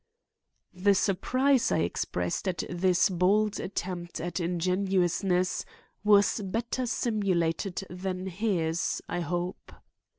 The surprise I expressed at this bold attempt at ingenuousness was better simulated than his, I hope.